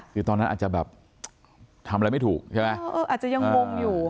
คือตอนนั้นอาจจะแบบทำอะไรไม่ถูกใช่ไหมอาจจะยังงงอยู่